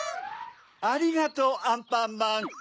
ありがとうアンパンマン！